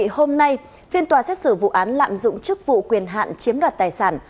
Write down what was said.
hôm nay phiên tòa xét xử vụ án lạm dụng chức vụ quyền hạn chiếm đoạt tài sản